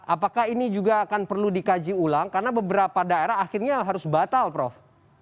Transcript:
apakah ini juga akan perlu dikaji ulang karena beberapa daerah akhirnya harus batal prof